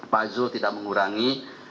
pak zul tidak mengurangi